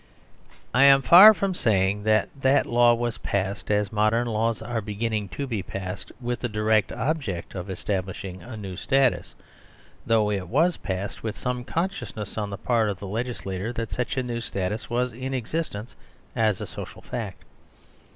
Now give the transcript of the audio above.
I am far from saying that that law was passed, as modern laws are beginning to be passed, with the direct object of establishing a new status ; though it was passed with someconsciousnesson the part of the 158 SERVILE STATE HAS BEGUN legislator that such a new status was in existence as a social fact.